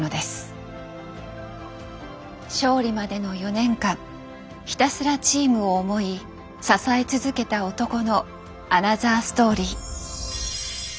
勝利までの４年間ひたすらチームを思い支え続けた男のアナザーストーリー。